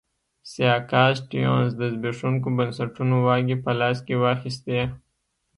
سیاکا سټیونز د زبېښونکو بنسټونو واګې په لاس کې واخیستې.